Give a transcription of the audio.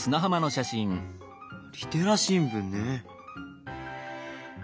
リテラ新聞ね。